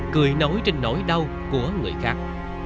cười nối trên nỗi đau của người khác